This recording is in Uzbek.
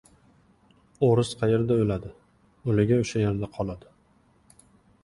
O‘ris qayerda o‘ladi — o‘ligi o‘sha yerda qoladi.